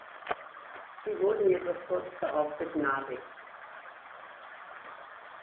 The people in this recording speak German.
Sie wurden jedoch kurz darauf begnadigt.